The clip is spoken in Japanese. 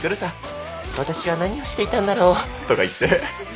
私は何をしていたんだろう？とか言って。